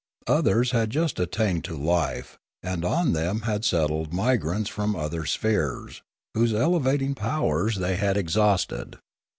Others had just attained to life; and on them had settled migrants from other spheres, whose elevating powers they had exhausted.